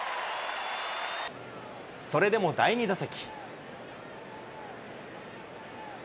それでも第２打席。